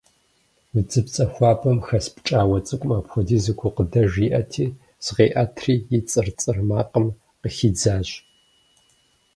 Удзыпцӏэ хуабэм хэс пкӏауэ цӏыкӏум апхуэдизу гукъыдэж иӏэти, зыкъиӏэтри, и цӏыр-цӏыр макъым къыхидзащ.